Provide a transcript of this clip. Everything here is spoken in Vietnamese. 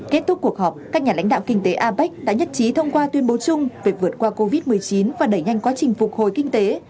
kết thúc cuộc họp các nhà lãnh đạo kinh tế apec đã nhất trí thông qua tuyên bố chung về vượt qua covid một mươi chín và đẩy nhanh quá trình phục hồi kinh tế